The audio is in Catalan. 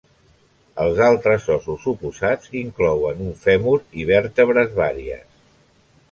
Els altres ossos oposats inclouen un fèmur i vèrtebres vàries.